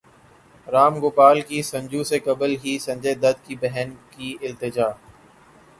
رام گوپال کی سنجو سے قبل ہی سنجے دت کی بہن کی التجا